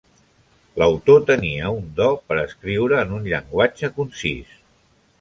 L'autor tenia un do per escriure en un llenguatge concís.